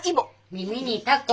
「耳にたこ」！